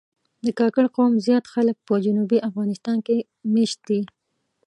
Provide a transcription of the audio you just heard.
د کاکړ قوم زیات خلک په جنوبي افغانستان کې مېشت دي.